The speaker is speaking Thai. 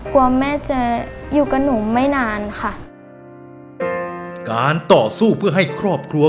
แม่จะอยู่กับหนูไม่นานค่ะการต่อสู้เพื่อให้ครอบครัว